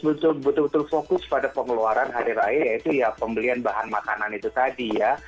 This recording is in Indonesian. betul betul fokus pada pengeluaran hari raya yaitu ya pembelian bahan makanan itu tadi ya